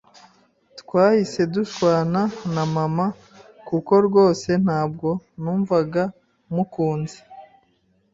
twahise dushwana na mama kuko rwose ntabwo numvaga mukunze